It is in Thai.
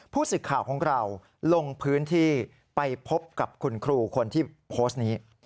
ผู้สื่อข่าวของเราลงพื้นที่ไปพบกับคุณครูคนที่โพสต์นี้